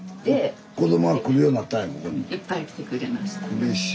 うれしい。